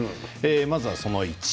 まずその１。